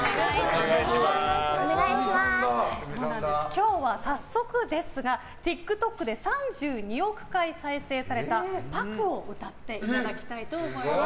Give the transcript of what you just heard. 今日は早速ですがＴｉｋＴｏｋで３２億回再生された「ＰＡＫＵ」を歌っていただきたいと思います。